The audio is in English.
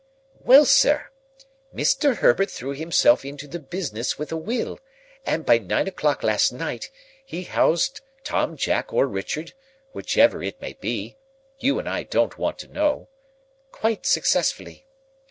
"Well, sir! Mr. Herbert threw himself into the business with a will, and by nine o'clock last night he housed Tom, Jack, or Richard,—whichever it may be,—you and I don't want to know,—quite successfully.